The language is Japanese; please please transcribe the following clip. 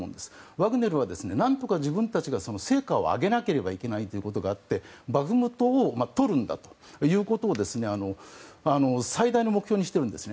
ワグネルは、何とか自分たちが成果を挙げないといけないということもあってバフムトをとるんだということを最大の目標にしているんですね。